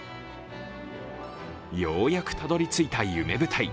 ようやくたどりついた夢舞台。